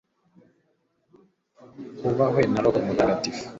hubahwe na roho mutagatifu, ni